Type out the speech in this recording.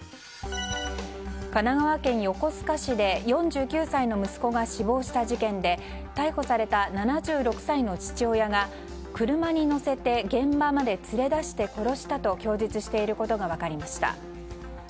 神奈川県横須賀市で４９歳の息子が死亡した事件で逮捕された７６歳の父親が車に乗せて現場まで連れ出して殺したと供述していることが分かりました。